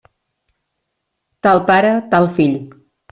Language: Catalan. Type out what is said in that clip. Tal pare, tal fill.